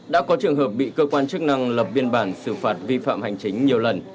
đã có trường hợp bị cơ quan chức năng lập biên bản xử phạt vi phạm hành chính nhiều lần